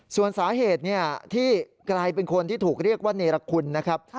ส่วนสาเหตุที่กลายเป็นคนที่ถูกเรียกว่าเนรคุณนะครับ